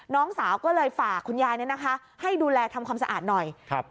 น้องสาวก็เลยฝากคุณยายเนี่ยนะคะให้ดูแลทำความสะอาดหน่อยครับ